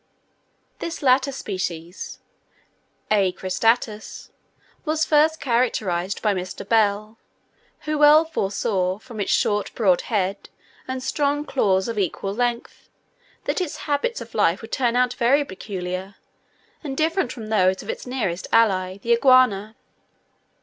This latter species (A. cristatus) was first characterized by Mr. Bell, who well foresaw, from its short, broad head, and strong claws of equal length, that its habits of life would turn out very peculiar, and different from those of its nearest ally, the Iguana.